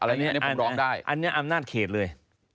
อันนี้ผมร้องได้อันนี้อำนาจเขตเลย